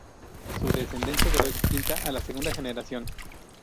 Su descendencia quedó extinta a la segunda generación.